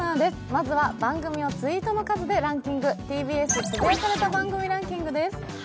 まずは番組をツイートの数でランキング、ＴＢＳ「つぶやかれた番組ランキング」です。